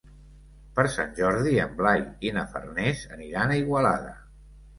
Per Sant Jordi en Blai i na Farners aniran a Igualada.